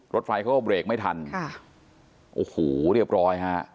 รถไฟเขาก็เบรกไม่ทันค่ะโอ้โหเรียบร้อยฮะ